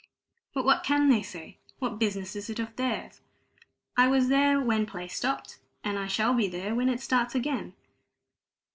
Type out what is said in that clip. But what can they say? What business is it of theirs? I was there when play stopped, and I shall be there when it starts again.